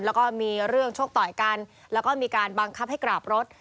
แล้วก็มีเรื่องชกต่อยกันแล้วก็มีการบังคับให้กราบรถ